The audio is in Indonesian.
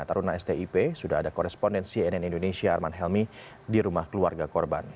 taruna stip sudah ada koresponden cnn indonesia arman helmi di rumah keluarga korban